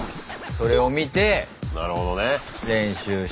それを見て練習して。